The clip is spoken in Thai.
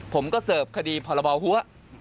ผมก็เสิร์ฟคดีพรบหัว